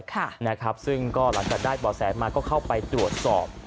ค่ะนะครับซึ่งก็หลังจากได้บ่อแสมาก็เข้าไปตรวจสอบ